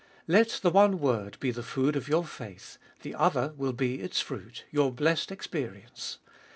Let the one word be the food of your faith ; the other will be its fruit, your blessed experience.